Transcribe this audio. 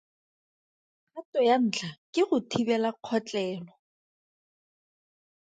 Kgato ya ntlha ke go thibela kgotlelo.